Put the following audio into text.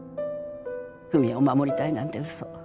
文哉を守りたいなんてうそ。